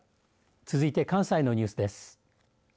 続いて関西のニュースです。